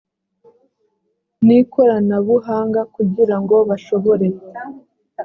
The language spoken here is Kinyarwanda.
n ikorana buhanga kugirango bashobore